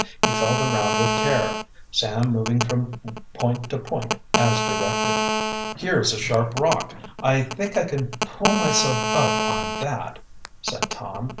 He felt around with care, Sam moving from point to point as directed. "Here is a sharp rock; I think I can pull myself up on that," said Tom.